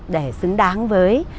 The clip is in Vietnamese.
để xứng đáng với